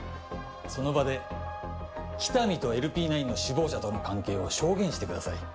その場で喜多見とＬＰ９の首謀者との関係を証言してください